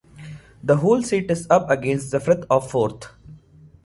The whole seat is up against the Firth of Forth.